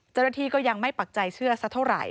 เจ้าหน้าที่ก็ยังไม่ปักใจเชื่อสักเท่าไหร่